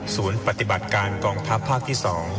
ปฏิบัติการกองทัพภาคที่๒